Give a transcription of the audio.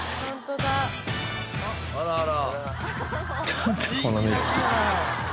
あらあら。